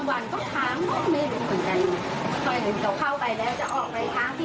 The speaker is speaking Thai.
มาเลี้ยงลูกรับส่งลูกเช้าก็ไปกินก็กลับ